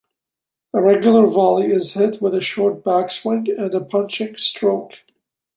A regular volley is hit with a short backswing and a punching stroke.